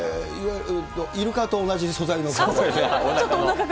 イルカと同じ素材おなかの。